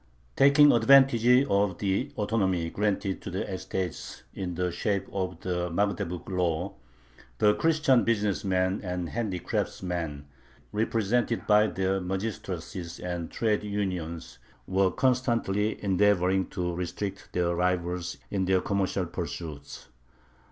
Taking advantage of the autonomy granted to the estates in the shape of the Magdeburg Law, the Christian business men and handicraftsmen, represented by their magistracies and trade unions, were constantly endeavoring to restrict their rivals in their commercial pursuits.